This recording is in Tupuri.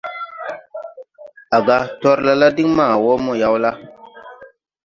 À ga: « Torla la diŋ ma wɔ mo yawla? ».